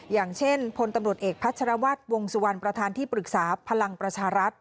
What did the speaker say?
อย่างเช่นพลตำรวจเอกพัชรวัฒน์วงสุวรรณประธานที่ปรึกษาพลังประชารัฐ